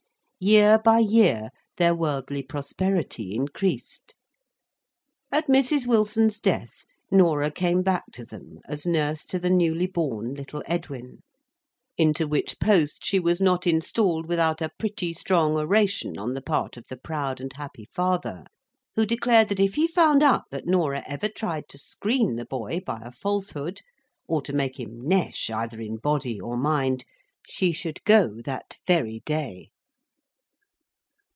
Year by year their worldly prosperity increased. At Mrs. Wilson's death, Norah came back to them, as nurse to the newly born little Edwin; into which post she was not installed without a pretty strong oration on the part of the proud and happy father; who declared that if he found out that Norah ever tried to screen the boy by a falsehood, or to make him nesh either in body or mind, she should go that very day.